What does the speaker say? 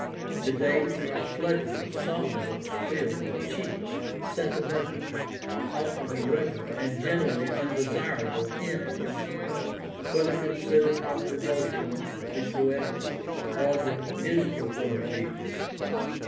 Today we are flooded with songbooks filled with cheap, sentimental, often irreverent, and generally undesirable, hymns, whether con sidered from the devotional, the poetic, or the musical point of view.